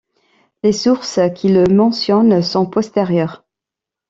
Les sources qui le mentionnent sont postérieures.